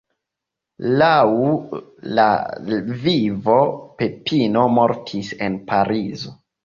Laŭ la "Vivo", Pepino mortis en Parizo.